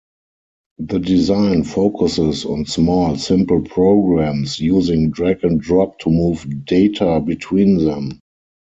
The design focuses on small, simple programs using drag-and-drop to move data between them.